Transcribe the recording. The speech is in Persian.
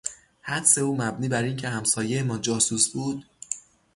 حدس او مبنی بر اینکه همسایهی ما جاسوس بود